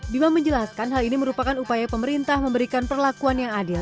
bima menjelaskan hal ini merupakan upaya pemerintah memberikan perlakuan yang adil